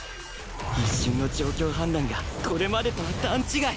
一瞬の状況判断がこれまでとは段違い！